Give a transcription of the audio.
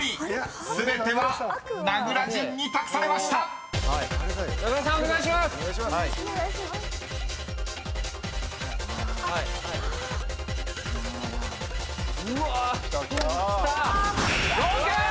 ［全ては名倉潤に託されました！］ＯＫ！